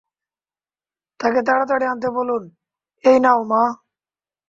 তাকে তাড়াতাড়ি আনতে বলুন, এই নাও মা।